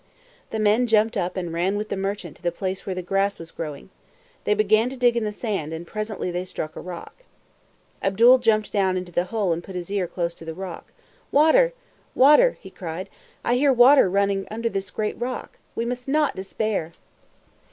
The men jumped up and ran with the merchant to the place where the grass was growing. They began to dig in the sand, and presently they struck a rock. Abdul jumped down into the hole and put his ear close to the rock. "Water! Water!" he cried. "I hear water running under this great rock. We must not despair!"